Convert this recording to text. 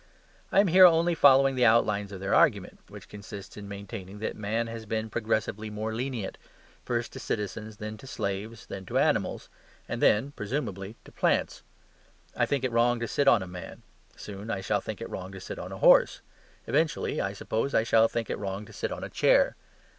I am here only following the outlines of their argument, which consists in maintaining that man has been progressively more lenient, first to citizens, then to slaves, then to animals, and then (presumably) to plants. I think it wrong to sit on a man. Soon, I shall think it wrong to sit on a horse. Eventually (I suppose) I shall think it wrong to sit on a chair.